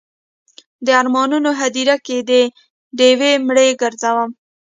د ارمانونو هدیره کې ډیوې مړې ګرځوم